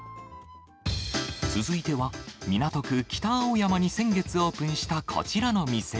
続いては、港区北青山に先月オープンしたこちらの店。